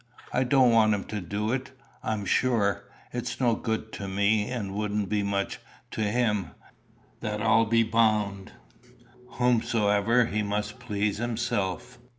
"I don't want him to do it, I'm sure. It's no good to me and wouldn't be much to him, that I'll be bound. Howsomever, he must please himself."